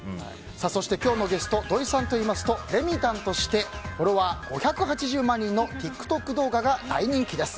そして今日のゲスト土井さんといいますとレミたんとしてフォロワー５８０万人のＴｉｋＴｏｋ動画が大人気です。